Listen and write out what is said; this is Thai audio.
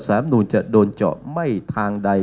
สารรัฐมนุญจะโดนเจาะไม่ทางใด